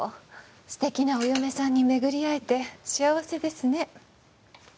素敵なお嫁さんに巡り会えて幸せですね